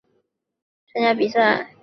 但张栩仍会至日本参加比赛。